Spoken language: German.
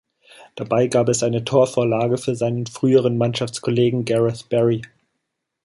Dabei gab er eine Torvorlage für seinen früheren Mannschaftskollegen Gareth Barry.